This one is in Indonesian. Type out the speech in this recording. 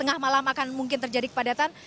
tengah malam akan mungkin terjadi kepadatan